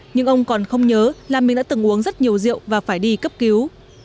nhưng ông còn không nhớ là mình đã từng uống rất nhiều rượu và phải đi cấp cứu